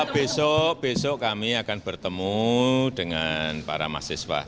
besok besok kami akan bertemu dengan para mahasiswa